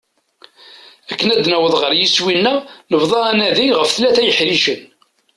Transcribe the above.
Akken ad nessaweḍ ɣer yiswi-nneɣ nebḍa anadi ɣef tlata yeḥricen.